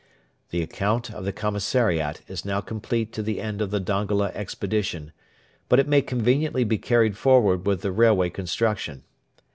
The account of the commissariat is now complete to the end of the Dongola Expedition; but it may conveniently be carried forward with the railway construction.